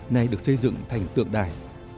nay được xây dựng thành tượng đài